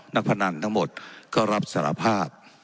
พนันทั้งหมดก็รับสารภาพ